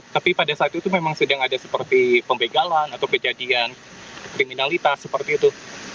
tapi pada saat itu memang sedang ada seperti pembegalan atau kejadian kriminalitas seperti itu